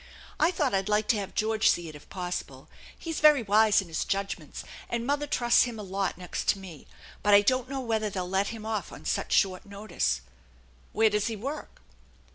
I thought I'd like to have George see it if possible; he's very wise in his judgments, and mother trusts him a lot next to me ; but I don't know whether they'll let him off on such short notice." " Where does he work?